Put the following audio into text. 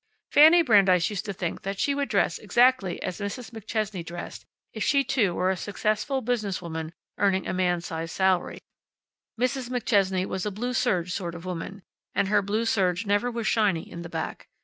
Fanny Brandeis used to think that she would dress exactly as Mrs. McChesney dressed, if she too were a successful business woman earning a man size salary. Mrs. McChesney was a blue serge sort of woman and her blue serge never was shiny in the back.